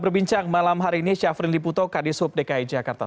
berbincang malam hari ini syafrin liputo kadis hub dki jakarta